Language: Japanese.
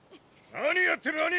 何やってるアニ！